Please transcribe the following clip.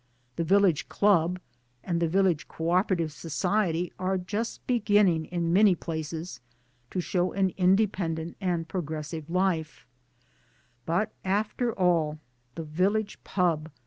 The Village Club and the Village Co operative society are just beginning in many places to show an independent and progressive life ; but after all thie Village Pub.